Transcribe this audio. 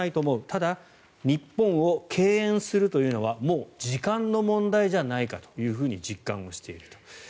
ただ、日本を敬遠するというのはもう時間の問題じゃないかと実感していると。